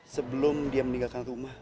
sebelum dia meninggalkan rumah